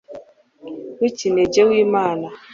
w'ikinege w'imana